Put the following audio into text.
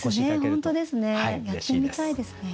本当ですねやってみたいですね。